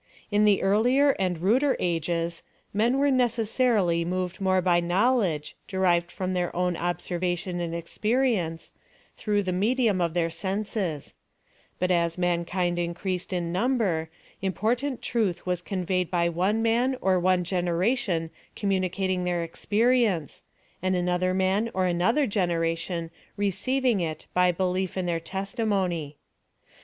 In the earlier and ruder ages, men were necessarily moved more by knowledge, derived from their own observation and experience, ihrough the medium of their senses; but as man i'jnd increased in number, important truth was con veyed by one man or one generation communica ting their experience, and another man or anotlier generation receiving it by belief in their testimony.